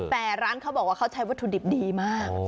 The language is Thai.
แต่ร้านเขาบอกว่าเขาใช้วัตถุดิบดีมาก